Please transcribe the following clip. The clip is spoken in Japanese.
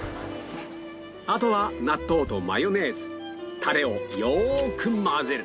あとは納豆とマヨネーズタレをよーく混ぜる